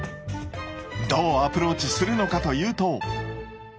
どうアプローチするのかというと。